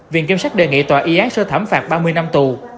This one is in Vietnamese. viện kiểm sát đề nghị tòa y án sơ thẩm phạt ba mươi năm tù